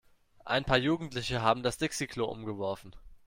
Ein paar Jugendliche haben das Dixi-Klo umgeworfen.